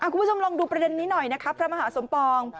คุณผู้ชมลองดูประเด็นนี้หน่อยนะครับพระมหาสมปอง